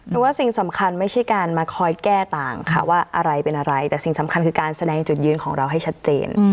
ว่าสิ่งสำคัญไม่ใช่การมาคอยแก้ต่างค่ะว่าอะไรเป็นอะไรแต่สิ่งสำคัญคือการแสดงจุดยืนของเราให้ชัดเจน